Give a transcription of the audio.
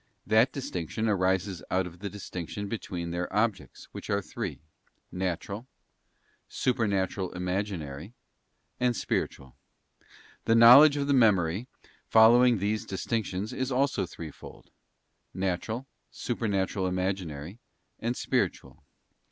That distinction arises out of the distinction between their objects, which are three, Natural, Supernatural Imaginary, and Spiritual. The knowledge of the Memory, following these distinctions, is also threefold: Natural, Supernatural Imaginary, and Spiritual.